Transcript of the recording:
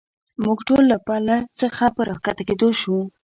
موږ ټول له پله څخه په را کښته کېدو شو.